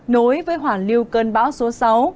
nối với hoảng lưu cơn bão số sáu